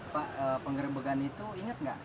pak penggerbegan itu inget enggak